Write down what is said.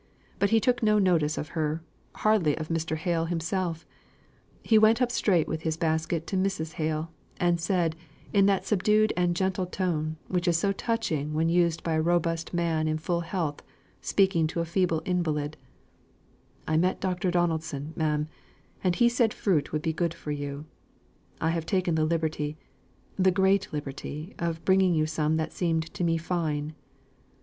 But he took no notice of her, hardly of Mr. Hale himself; he went up straight with his basket to Mrs. Hale, and said, in that subdued and gentle tone, which is so touching when used by a robust man in full health, speaking to a feeble invalid, "I met Dr. Donaldson, ma'am, and as he said fruit would be good for you, I have taken the liberty the great liberty of bringing you some that seemed to me fine."